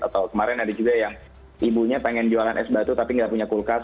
atau kemarin ada juga yang ibunya pengen jualan es batu tapi nggak punya kulkas